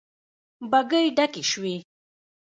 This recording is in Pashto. بګۍ ډکې شوې.